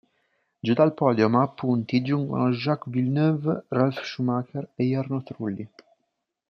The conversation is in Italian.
Giù dal podio, ma a punti, giungono Jacques Villeneuve, Ralf Schumacher e Jarno Trulli.